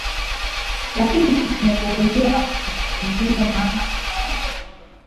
lakini sasa umefukuliwa na kusafishwa ndiyo maana unauona vizuri